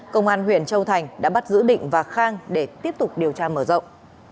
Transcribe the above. công an huyện châu thành đã bắt giữ định và khang để tiếp tục điều tra mở rộng